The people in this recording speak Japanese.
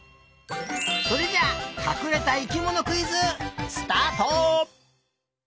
それじゃあかくれた生きものクイズスタート！